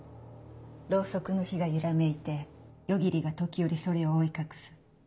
ロウソクの火が揺らめいて夜霧が時折それを覆い隠す。